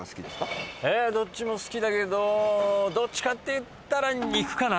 どっちも好きだけどどっちかって言ったら肉かな。